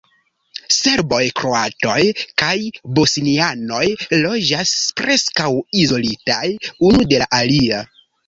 Serboj, kroatoj kaj bosnianoj loĝas preskaŭ izolitaj unu de la alia.